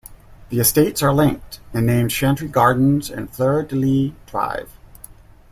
The estates are linked, and named Chantry Gardens and Fleur De Lys Drive.